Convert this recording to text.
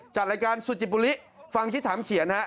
จัดรายการสุจิปุริฟังที่ถามเขียนฮะ